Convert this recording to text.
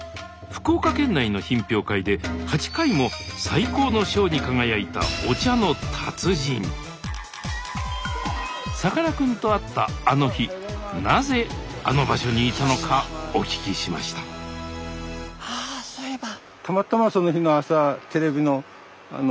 福岡県内の品評会で８回も最高の賞に輝いたさかなクンと会ったあの日なぜあの場所にいたのかお聞きしましたあそういえば。